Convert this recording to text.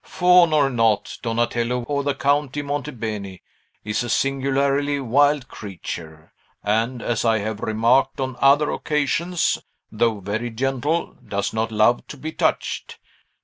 "Faun or not, Donatello or the Count di Monte Beni is a singularly wild creature, and, as I have remarked on other occasions, though very gentle, does not love to be touched.